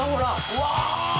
うわ。